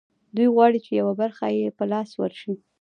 دوی غواړي چې یوه برخه یې په لاس ورشي